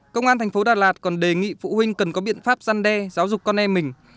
công an tp đà lạt còn đề nghị phụ huynh cần có biện pháp giăn đe giáo dục con em mình